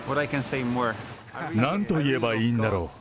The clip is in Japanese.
なんと言えばいいんだろう。